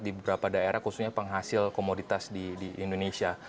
di beberapa daerah khususnya penghasil komoditas di indonesia